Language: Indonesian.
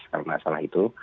kalau tidak salah itu